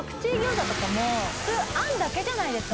普通あんだけじゃないですか